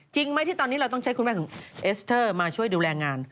จริงไหมที่ตอนนี้เราต้องใช้คุณแม่ของเอสเตอร์มาช่วยดูแลงาน